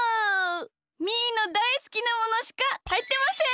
みーのだいすきなものしかはいってません！